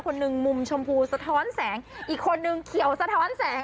มุมหนึ่งมุมชมพูสะท้อนแสงอีกคนนึงเขียวสะท้อนแสง